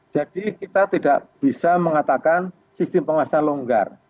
kita tidak bisa mengatakan sistem pengawasan longgar